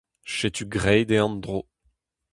Setu graet eo an dro.